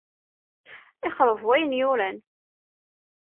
Ixṛeb wayen yuran.